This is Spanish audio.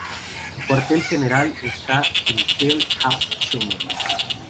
Su cuartel general está en Tel HaShomer.